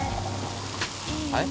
はい？